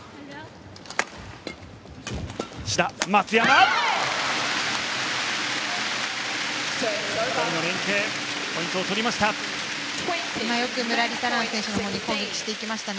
２人の連係でポイントを取りました。